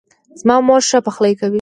زما مور ښه پخلۍ کوي